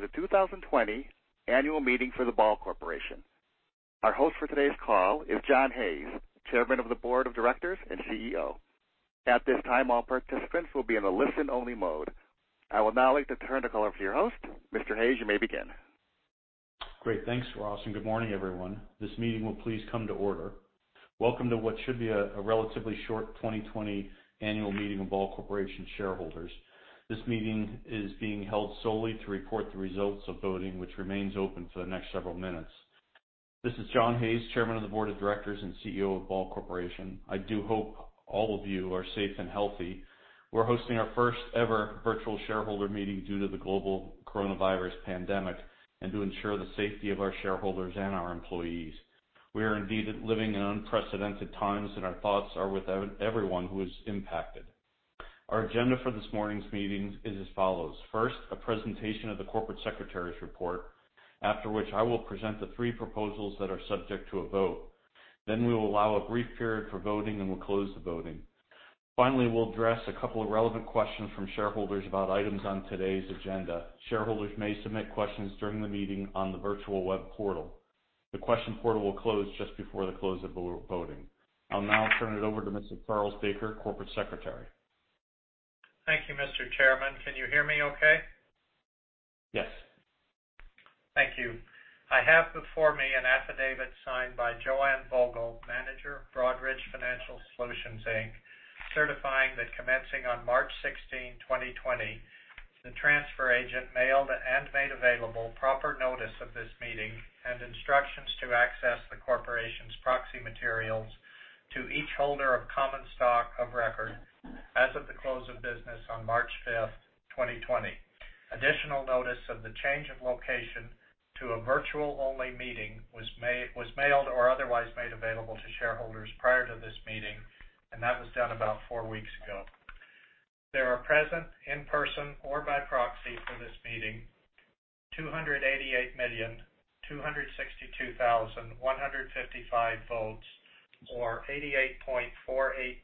Welcome to the 2020 Annual Meeting for the Ball Corporation. Our host for today's call is John Hayes, Chairman of the Board of Directors and CEO. At this time, all participants will be in a listen-only mode. I would now like to turn the call over to your host. Mr. Hayes, you may begin. Great. Thanks, Ross, and good morning, everyone. This meeting will please come to order. Welcome to what should be a relatively short 2020 annual meeting of Ball Corporation shareholders. This meeting is being held solely to report the results of voting, which remains open for the next several minutes. This is John Hayes, Chairman of the Board of Directors and CEO of Ball Corporation. I do hope all of you are safe and healthy. We're hosting our first ever virtual shareholder meeting due to the global coronavirus pandemic and to ensure the safety of our shareholders and our employees. We are indeed living in unprecedented times, and our thoughts are with everyone who is impacted. Our agenda for this morning's meeting is as follows. First, a presentation of the Corporate Secretary's report. After which, I will present the three proposals that are subject to a vote. We will allow a brief period for voting and will close the voting. Finally, we'll address a couple of relevant questions from shareholders about items on today's agenda. Shareholders may submit questions during the meeting on the virtual web portal. The question portal will close just before the close of voting. I'll now turn it over to Mr. Charles Baker, corporate secretary. Thank you, Mr. Chairman. Can you hear me okay? Yes. Thank you. I have before me an affidavit signed by Joanne Vogel, manager, Broadridge Financial Solutions, Inc., certifying that commencing on March 16, 2020, the transfer agent mailed and made available proper notice of this meeting and instructions to access the corporation's proxy materials to each holder of common stock of record as of the close of business on March 5th, 2020. Additional notice of the change of location to a virtual-only meeting was mailed or otherwise made available to shareholders prior to this meeting. That was done about four weeks ago. There are present in person or by proxy for this meeting 288,262,155 votes, or 88.48%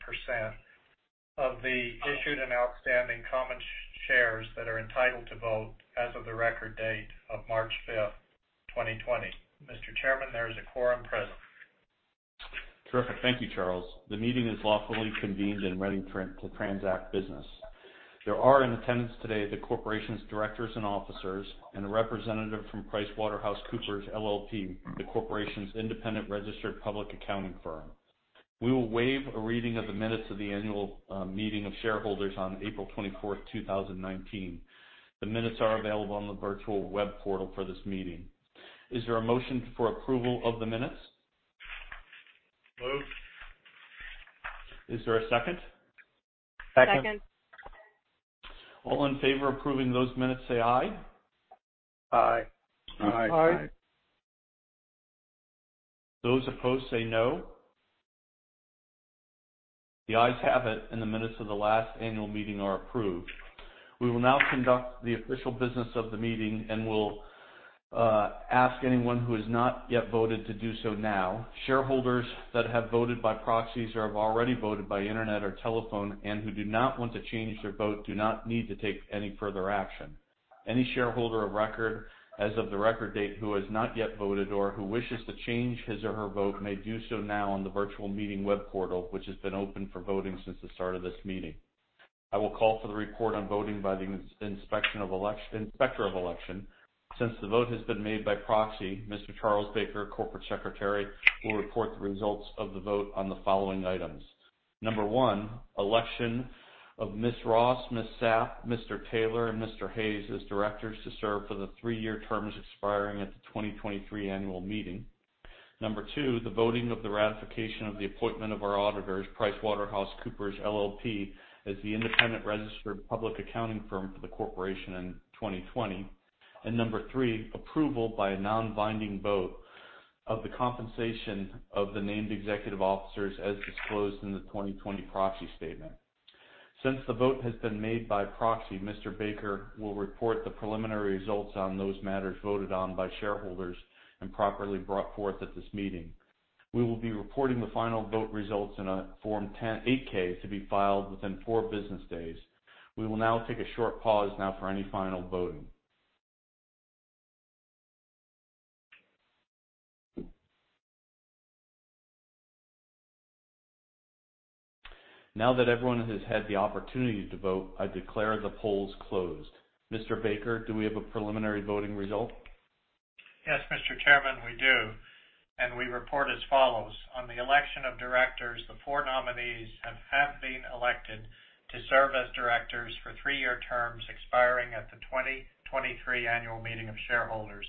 of the issued and outstanding common shares that are entitled to vote as of the record date of March 5th, 2020. Mr. Chairman, there is a quorum present. Terrific. Thank you, Charles. The meeting is lawfully convened and ready to transact business. There are in attendance today the corporation's directors and officers, and a representative from PricewaterhouseCoopers LLP, the corporation's independent registered public accounting firm. We will waive a reading of the minutes of the annual meeting of shareholders on April 24th, 2019. The minutes are available on the virtual web portal for this meeting. Is there a motion for approval of the minutes? Moved. Is there a second? Second. All in favor of approving those minutes say aye. Aye. Aye. Those opposed, say no. The ayes have it, and the minutes of the last annual meeting are approved. We will now conduct the official business of the meeting and will ask anyone who has not yet voted to do so now. Shareholders that have voted by proxies or have already voted by internet or telephone and who do not want to change their vote do not need to take any further action. Any shareholder of record as of the record date who has not yet voted or who wishes to change his or her vote may do so now on the virtual meeting web portal, which has been open for voting since the start of this meeting. I will call for the report on voting by the inspector of election. Since the vote has been made by proxy, Mr. Charles Baker, Corporate Secretary, will report the results of the vote on the following items. Number one, election of Ms. Ross, Ms. Sapp, Mr. Taylor, and Mr. Hayes as directors to serve for the three-year terms expiring at the 2023 annual meeting. Number two, the voting of the ratification of the appointment of our auditors, PricewaterhouseCoopers LLP, as the independent registered public accounting firm for the corporation in 2020. Number three, approval by a non-binding vote of the compensation of the named executive officers as disclosed in the 2020 proxy statement. Since the vote has been made by proxy, Mr. Baker will report the preliminary results on those matters voted on by shareholders and properly brought forth at this meeting. We will be reporting the final vote results in a Form 8-K to be filed within four business days. We will now take a short pause now for any final voting. Now that everyone has had the opportunity to vote, I declare the polls closed. Mr. Baker, do we have a preliminary voting result? Yes, Mr. Chairman, we do. We report as follows. On the election of directors, the four nominees have been elected to serve as directors for three-year terms expiring at the 2023 annual meeting of shareholders.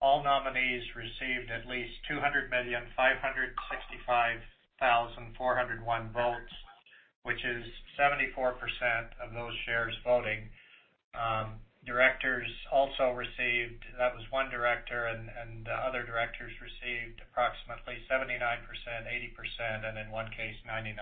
All nominees received at least 200,565,401 votes, which is 74% of those shares voting. That was one director. The other directors received approximately 79%, 80%, and in one case, 99%.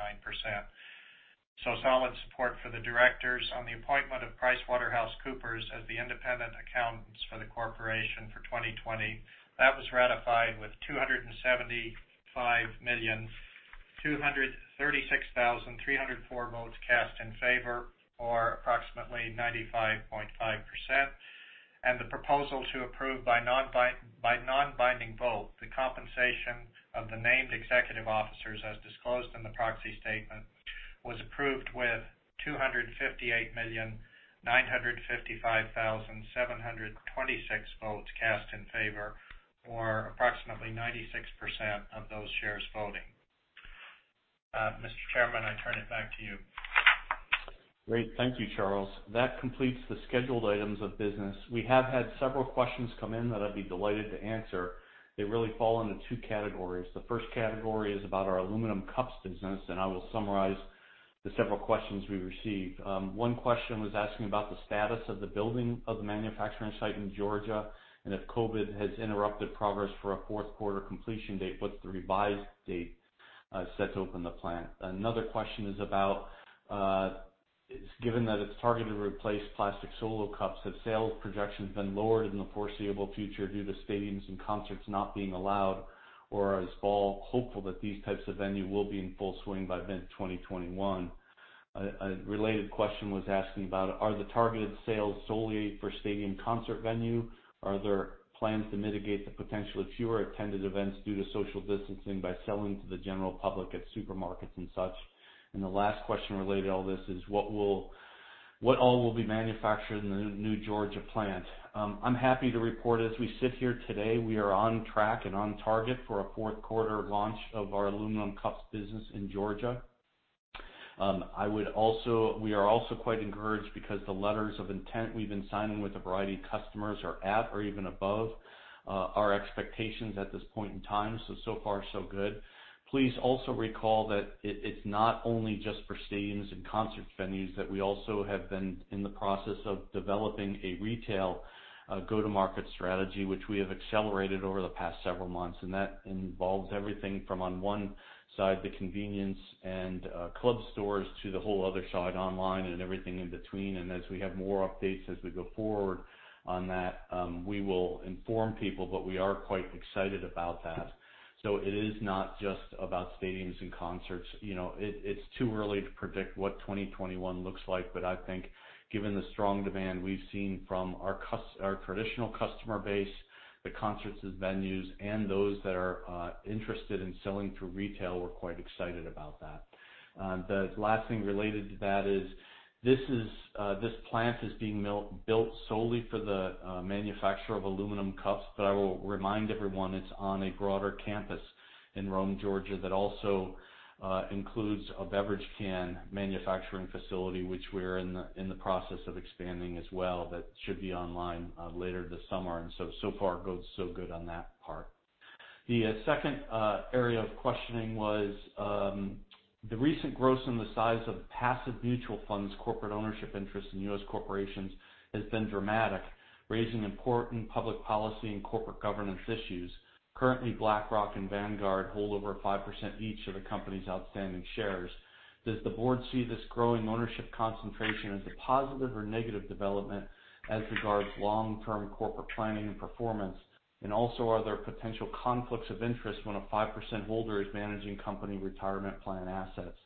Solid support for the directors. On the appointment of PricewaterhouseCoopers as the independent accountants for the corporation for 2020, that was ratified with 275,236,304 votes cast in favor or approximately 95.5%. The proposal to approve by non-binding vote the compensation of the named executive officers as disclosed in the proxy statement was approved with 258,955,726 votes cast in favor, or approximately 96% of those shares voting. Mr. Chairman, I turn it back to you. Great. Thank you, Charles. That completes the scheduled items of business. We have had several questions come in that I'd be delighted to answer. They really fall into two categories. The first category is about our aluminum cups business. I will summarize the several questions we received. One question was asking about the status of the building of the manufacturing site in Georgia, and if COVID has interrupted progress for a fourth quarter completion date, what's the revised date set to open the plant? Another question is about, given that it's targeted to replace plastic Solo cups, have sales projections been lowered in the foreseeable future due to stadiums and concerts not being allowed, or is Ball hopeful that these types of venue will be in full swing by mid-2021? A related question was asking about, are the targeted sales solely for stadium concert venue? Are there plans to mitigate the potential of fewer attended events due to social distancing by selling to the general public at supermarkets and such? The last question related to all this is, what all will be manufactured in the new Georgia plant? I'm happy to report as we sit here today, we are on track and on target for a fourth quarter launch of our aluminum cups business in Georgia. We are also quite encouraged because the letters of intent we've been signing with a variety of customers are at or even above our expectations at this point in time. So far so good. Please also recall that it's not only just for stadiums and concert venues, that we also have been in the process of developing a retail go-to-market strategy, which we have accelerated over the past several months. That involves everything from on one side, the convenience and club stores, to the whole other side online and everything in between. As we have more updates as we go forward on that, we will inform people, but we are quite excited about that. It is not just about stadiums and concerts. It's too early to predict what 2021 looks like, but I think given the strong demand we've seen from our traditional customer base, the concerts and venues, and those that are interested in selling through retail, we're quite excited about that. The last thing related to that is, this plant is being built solely for the manufacture of aluminum cups. I will remind everyone, it's on a broader campus in Rome, Georgia, that also includes a beverage can manufacturing facility, which we're in the process of expanding as well. That should be online later this summer. So far, so good on that part. The second area of questioning was the recent growth in the size of passive mutual funds corporate ownership interest in U.S. corporations has been dramatic, raising important public policy and corporate governance issues. Currently, BlackRock and Vanguard hold over 5% each of the company's outstanding shares. Does the board see this growing ownership concentration as a positive or negative development as regards long-term corporate planning and performance? Are there potential conflicts of interest when a 5% holder is managing company retirement plan assets?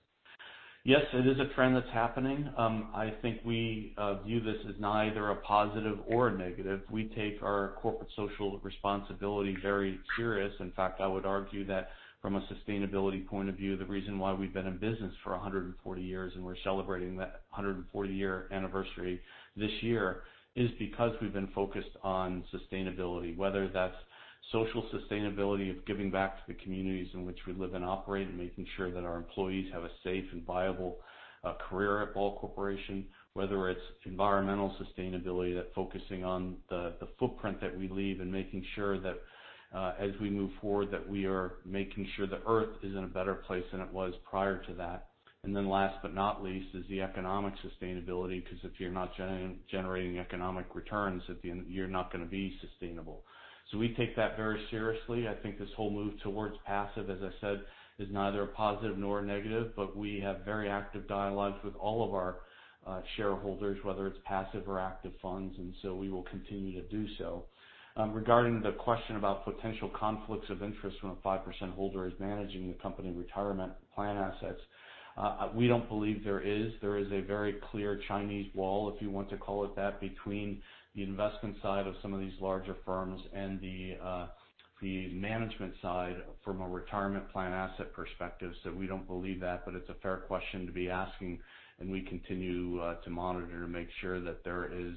Yes, it is a trend that's happening. I think we view this as neither a positive or a negative. We take our corporate social responsibility very serious. In fact, I would argue that from a sustainability point of view, the reason why we've been in business for 140 years, and we're celebrating that 140-year anniversary this year, is because we've been focused on sustainability, whether that's social sustainability of giving back to the communities in which we live and operate, and making sure that our employees have a safe and viable career at Ball Corporation. Whether it's environmental sustainability, that focusing on the footprint that we leave and making sure that as we move forward, that we are making sure the Earth is in a better place than it was prior to that. Last but not least, is the economic sustainability, because if you're not generating economic returns, you're not going to be sustainable. We take that very seriously. I think this whole move towards passive, as I said, is neither a positive nor a negative. We have very active dialogues with all of our shareholders, whether it's passive or active funds, and so we will continue to do so. Regarding the question about potential conflicts of interest when a 5% holder is managing the company retirement plan assets, we don't believe there is. There is a very clear Chinese wall, if you want to call it that, between the investment side of some of these larger firms and the management side from a retirement plan asset perspective. We don't believe that, but it's a fair question to be asking, and we continue to monitor to make sure that there is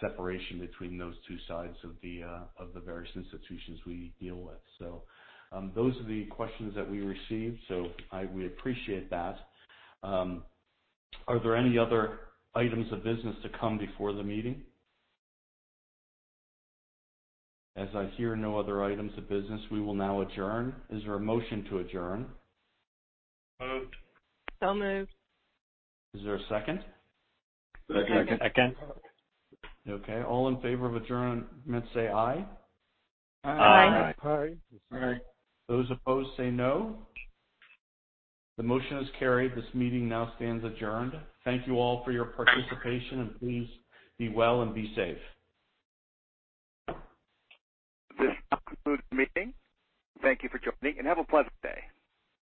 separation between those two sides of the various institutions we deal with. Those are the questions that we received. We appreciate that. Are there any other items of business to come before the meeting? As I hear no other items of business, we will now adjourn. Is there a motion to adjourn? Moved. Is there a second? Second. Okay. All in favor of adjournment say Aye. Aye. Those opposed say No. The motion is carried. This meeting now stands adjourned. Thank you all for your participation, and please be well and be safe. This concludes the meeting. Thank you for joining and have a pleasant day.